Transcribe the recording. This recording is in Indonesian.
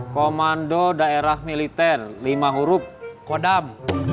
komando daerah militer lima huruf kodam